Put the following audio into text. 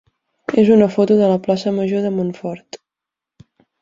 és una foto de la plaça major de Montfort.